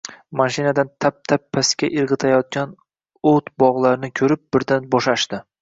mashinadan «tap-tap» pastga irgʼitilayotgan oʼt bogʼlarini koʼrib, birdan boʼshashdi: